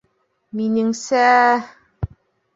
Минеңсә,...